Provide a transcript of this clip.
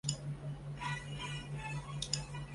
马术则是唯一一项男性和女性选手同台竞技的比赛。